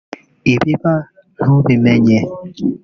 Ibiba ntubimenye